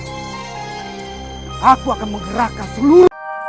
dia pasti senang membantumu